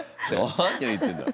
なにを言ってんだ。